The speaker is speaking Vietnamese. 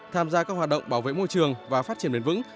tham gia các hoạt động bảo vệ môi trường và phát triển bền vững